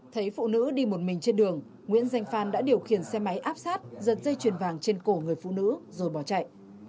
thấy phụ nữ đi một mình trên đường nguyễn danh phan đã điều khiển xe máy áp sát giật dây chuyền vàng trên cổ người phụ nữ rồi bỏ chạy